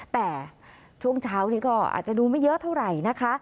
แต่ช่วงเช้านี้ก็อาจจะดูไม่เยอะเท่าไหร่นะคะ